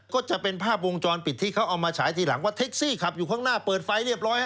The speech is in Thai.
ก็จะเป็นภาพวงจรปิดที่เขาเอามาฉายทีหลังว่าเท็กซี่ขับอยู่ข้างหน้าเปิดไฟเรียบร้อย